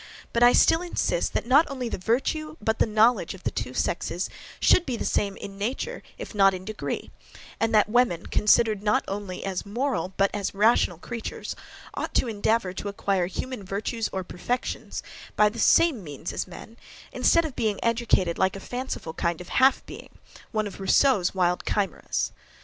But I still insist, that not only the virtue, but the KNOWLEDGE of the two sexes should be the same in nature, if not in degree, and that women, considered not only as moral, but rational creatures, ought to endeavour to acquire human virtues (or perfections) by the SAME means as men, instead of being educated like a fanciful kind of HALF being, one of Rousseau's wild chimeras.